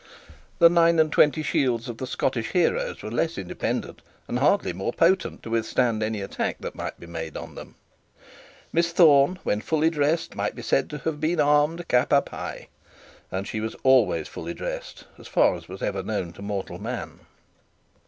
The nine and twenty shields of the Scottish heroes were less independent, and hardly more potent to withstand any attack that might be made on them. Miss Thorne when fully dressed might be said to have been armed cap a pie, and she was always fully dressed, as far as was ever known to mortal man.